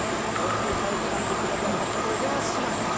大きいハウスなんですが、じゃあ、早速お邪魔します。